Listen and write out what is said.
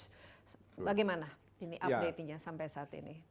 bagaimana ini updatingnya sampai saat ini